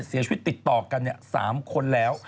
เสียชีวิตติดต่อกัน๓คนแล้ว